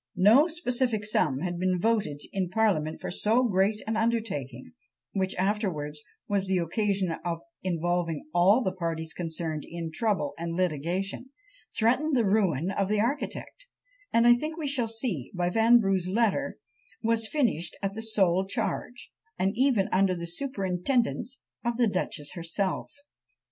No specific sum had been voted in parliament for so great an undertaking; which afterwards was the occasion of involving all the parties concerned in trouble and litigation; threatened the ruin of the architect; and I think we shall see, by Vanbrugh's letters, was finished at the sole charge, and even under the superintendence, of the duchess herself!